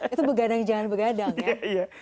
itu begadang jangan begadang ya